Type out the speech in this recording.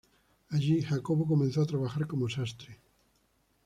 Allí, Jacobo comenzó a trabajar como sastre.